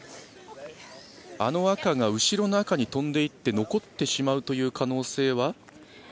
あの赤が後ろの赤に飛んでいって残ってしまうという可能性は？